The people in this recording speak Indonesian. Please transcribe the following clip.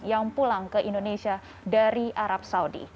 yang pulang ke indonesia dari arab saudi